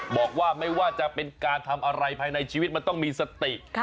บอกว่าไม่ว่าจะเป็นการทำอะไรภายในชีวิตมันต้องมีสติ